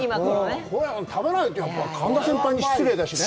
これは食べないということは神田先輩に失礼だしね。